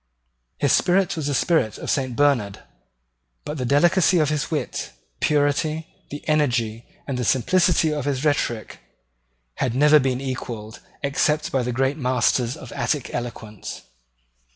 His spirit was the spirit of Saint Bernard: but the delicacy of his wit, the purity, the energy, the simplicity of his rhetoric, had never been equalled, except by the great masters of Attic eloquence.